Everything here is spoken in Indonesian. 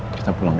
kita pulang ya